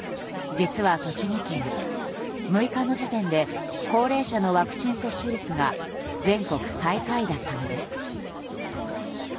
実は栃木県、６日の時点で高齢者のワクチン接種率が全国最下位だったのです。